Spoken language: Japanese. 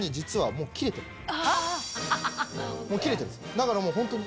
もう切れてるんですだからもうホントに。